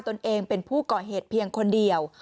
ตนเองเป็นผู้ก่อเหตุเพียงคนเดียว